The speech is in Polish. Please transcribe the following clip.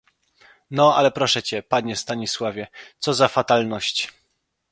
"No, ale proszę cię, panie Stanisławie, co za fatalność!..."